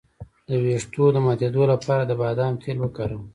د ویښتو د ماتیدو لپاره د بادام تېل وکاروئ